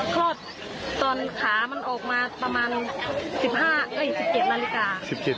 คลอดตอนขามันออกมาประมาณ๑๗นาฬิกา